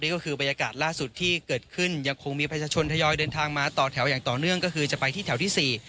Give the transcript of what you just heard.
ก็คือบรรยากาศล่าสุดที่เกิดขึ้นยังคงมีประชาชนทยอยเดินทางมาต่อแถวอย่างต่อเนื่องก็คือจะไปที่แถวที่สี่